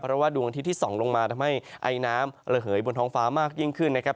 เพราะว่าดวงอาทิตย์ที่ส่องลงมาทำให้ไอน้ำระเหยบนท้องฟ้ามากยิ่งขึ้นนะครับ